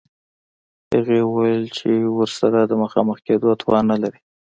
هغې وویل چې ورسره د مخامخ کېدو توان نلري